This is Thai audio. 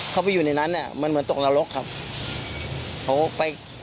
เข้าไปอยู่ในนั้นเนี่ยมันเหมือนตกนรกครับเขาไป